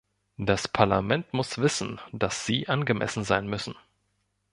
Das Parlament muss wissen, dass sie angemessen sein müssen.